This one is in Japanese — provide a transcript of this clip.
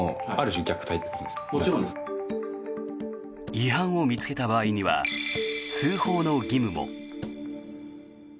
違反を見つけた場合には通報の義務も。